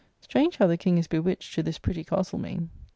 Strange how the King is bewitched to this pretty Castlemaine.